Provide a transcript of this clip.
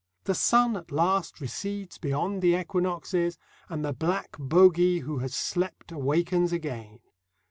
The sun at last recedes beyond the equinoxes, and the black bogey who has slept awakens again.